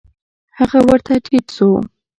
هغه ورته ټيټ سو.